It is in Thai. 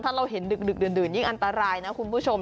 ถ้าเราเห็นดึกดื่นยิ่งอันตรายนะคุณผู้ชม